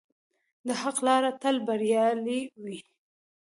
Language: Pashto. د حق لاره تل بریالۍ وي.